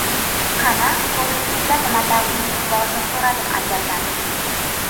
“Qani, ko‘nglingizda nima dardingiz bor?” deb so‘radim ajablanib.